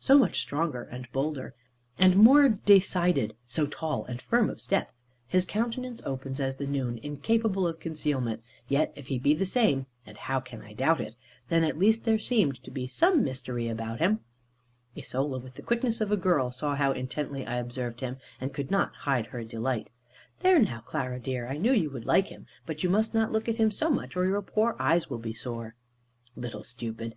So much stronger, and bolder, and more decided, so tall and firm of step. His countenance open as the noon, incapable of concealment; yet if he be the same (and, how can I doubt it?), then at least there seemed to be some mystery about him. Isola, with the quickness of a girl, saw how intently I observed him, and could not hide her delight. "There now, Clara dear, I knew you would like him. But you must not look at him so much, or your poor eyes will be sore." Little stupid!